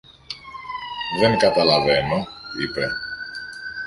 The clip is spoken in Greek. Δεν καταλαβαίνω, είπε.